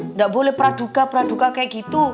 enggak boleh praduka praduka kayak gitu